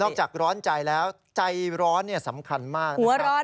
นอกจากร้อนใจแล้วใจร้อนสำคัญมาก